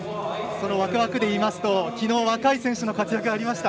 そのワクワクでいいますと昨日若い選手の活躍がありました。